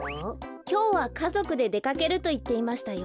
きょうはかぞくででかけるといっていましたよ。